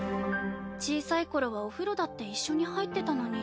小さい頃はお風呂だって一緒に入ってたのに。